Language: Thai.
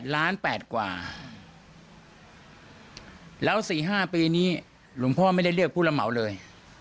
ล้านแปดกว่าแล้ว๔๕ปีนี้หลวงพ่อไม่ได้เลือกผู้รับเหมาเลย